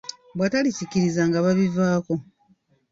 Bw'atalikikkiriza nga babivaako.